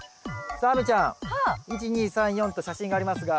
さあ亜美ちゃん１２３４と写真がありますが。